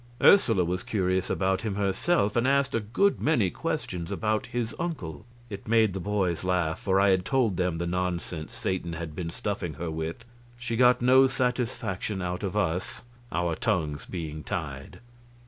Ursula was curious about him herself, and asked a good many questions about his uncle. It made the boys laugh, for I had told them the nonsense Satan had been stuffing her with. She got no satisfaction out of us, our tongues being tied.